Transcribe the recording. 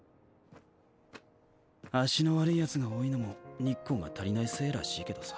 足の悪いヤツが多いのも日光が足りないせいらしいけどさ。